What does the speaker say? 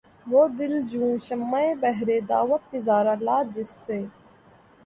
وہ دل جوں شمعِ بہرِ دعوت نظارہ لا‘ جس سے